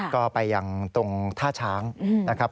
ก็ไปยังตรงท่าช้างนะครับ